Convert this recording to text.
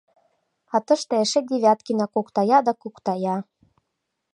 А тыште эше Девяткина куктая да куктая.